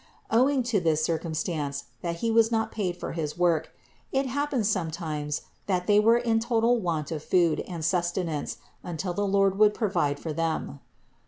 Owing to this circumstance, that he was not paid for his work, it happened sometimes that they were in total want of food and sustenance until the Lord would provide for them.